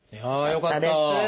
よかったです。